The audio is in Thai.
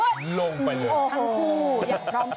ทั้งผู้อยากกล้องทีเนี่ย